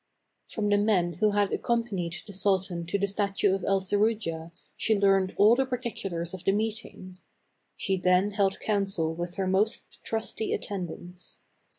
From the men who had accompanied the sultan to the statue of El Serujah she learned all the particulars of the meeting ; she then held council with her most trusty attendants.